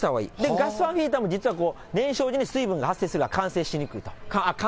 ガスファンヒーターも、燃焼時に水分が発生するから乾燥しにくいと。